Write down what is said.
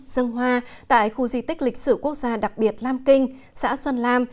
dân hoa tại khu di tích lịch sử quốc gia đặc biệt lam kinh xã xuân lam